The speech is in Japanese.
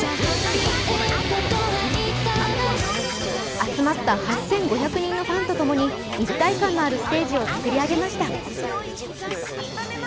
集まった８５００人のファンと共に一体感のあるステージを作り上げました。